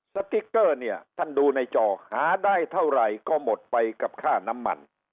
สติ๊กเกอร์เนี่ยท่านดูในจอหาได้เท่าไหร่ก็หมดไปกับค่าน้ำมัน